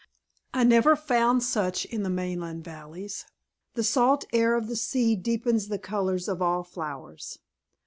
I never found such in the mainland valleys; the salt air of the sea deepens the colors of all flowers.